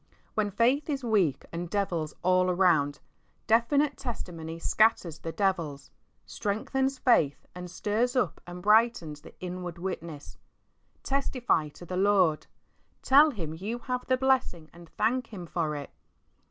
When faith is weak and devils all around, definite tesdmony scatters the devils, strengthens faith and stirs up and brightens the inward witness. Testify to the Lord, tell Him you have the blessing and thank Him for it.